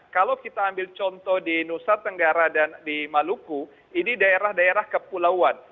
kalau kita ambil contoh di nusa tenggara dan di maluku ini daerah daerah kepulauan